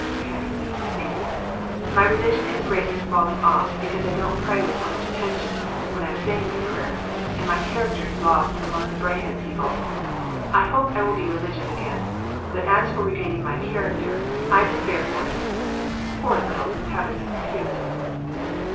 (Canny wee wifie!) "My religion is greatly falling off because I dont pray with so much attention when I am saying my prayers, and my charecter is lost among the Braehead people. I hope I will be religious again but as for regaining my charecter I despare for it." [Poor little "habit and repute"!